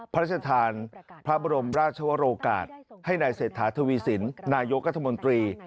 พระราชทานพระบรมราชวโรกาศให้นายเศรษฐาทวีสินนายกรัฐมนตรี